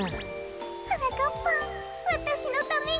はなかっぱんわたしのために。